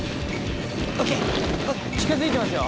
ＯＫ近づいてますよ。